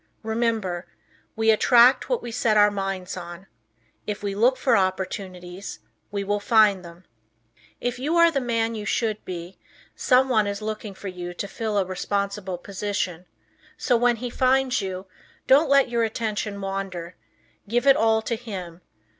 Remember, we attract what we set our minds on. If we look for opportunities, we find them. If you are the man you should be, some one is looking for you to fill a responsible position. So when he finds you, don't let your attention wander. Give it all to him.